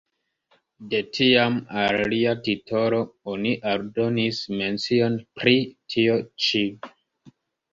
De tiam al lia titolo oni aldonis mencion pri tio ĉi.